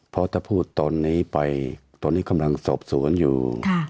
เพราะถ้าพูดตอนนี้ไปตอนนี้กำลังสอบสวนอยู่